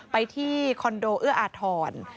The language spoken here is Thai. ไปที่คอนโดเอื้ออาทร